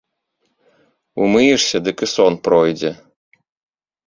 Умыешся, дык і сон пройдзе.